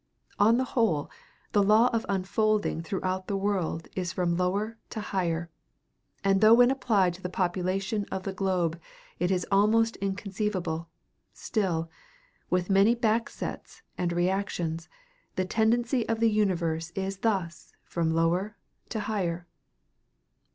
On the whole, the law of unfolding throughout the world is from lower to higher; and though when applied to the population of the globe it is almost inconceivable, still, with many back sets and reactions, the tendency of the universe is thus from lower to higher.